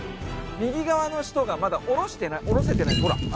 右側の人がまだ下ろしてない下ろせてないほら。